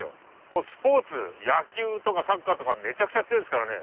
もうスポーツ野球とかサッカーとかめちゃくちゃ強いですからね。